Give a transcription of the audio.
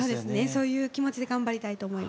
そういう気持ちで頑張りたいと思います。